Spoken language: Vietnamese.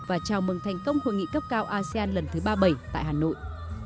và chào mừng thành công hội nghị cấp cao asean lần thứ ba mươi bảy tại hà nội